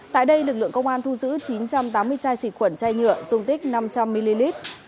tại đây lực lượng công an thu giữ chín trăm tám mươi chai xịt khuẩn chai nhựa dùng tích năm trăm linh ml